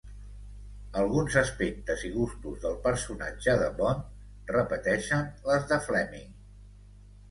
Alguns aspectes i gustos del personatge de Bond repeteixen les de Fleming.